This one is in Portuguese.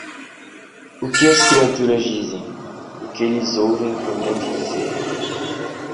O que as criaturas dizem? O que eles ouvem grande dizer.